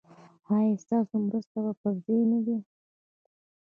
ایا ستاسو مرستې پر ځای نه دي؟